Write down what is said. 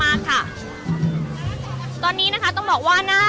อาจจะออกมาใช้สิทธิ์กันแล้วก็จะอยู่ยาวถึงในข้ามคืนนี้เลยนะคะ